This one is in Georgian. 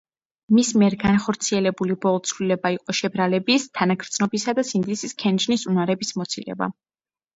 მის მიერ განხორციელებული ბოლო ცვლილება იყო შებრალების, თანაგრძნობისა და სინდისის ქენჯნის უნარების მოცილება.